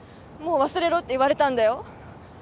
もう忘れろって言われたんだよ？